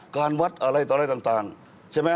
การวัดอะไรต่อต่างใช่ไหมครับ